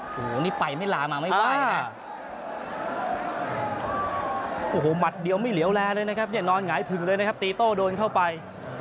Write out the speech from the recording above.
โอ้โหนี่ไปไม่ลามาไม่ไปเนี่ยโอ้โหหมัดเดียวไม่เหลียวแลเลยนะครับเนี่ยนอนหงายผึ่งเลยนะครับตีโต้โดนเข้าไป